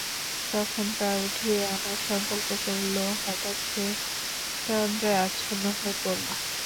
যখন তা উঠিয়ে আনার সংকল্প করল হঠাৎ সে তন্দ্রায় আচ্ছন্ন হয়ে পড়ল।